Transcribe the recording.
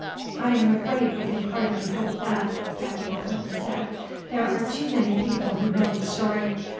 "I am afraid we can hardly hope that," Captain Clinton said. "There are too many people who know the story.